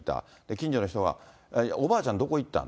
近所の人が、おばあちゃん、どこ行ったん？